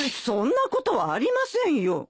そんなことはありませんよ。